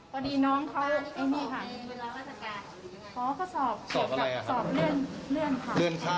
พอดีน้องเขาพอเขาสอบเรื่อนคัน